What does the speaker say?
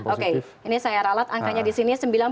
oke ini saya ralat angkanya di sini